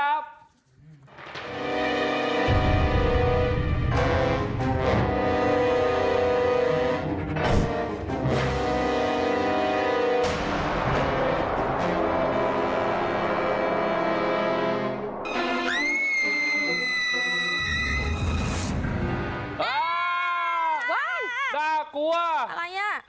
ว้าวบ้านน่ากลัวอะไรน่ะ